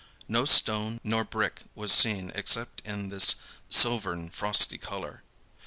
No stone nor brick was seen except in this silvern frosty color.